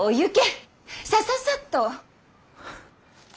ハさささっと。